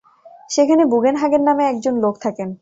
সেখানে বুগেনহাগেন নামে একজন লোক থাকেন।